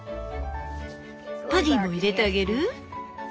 パディも入れてあげる？